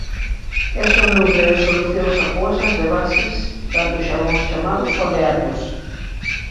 É soluble en solucións acuosas de bases dando xabóns chamados oleatos.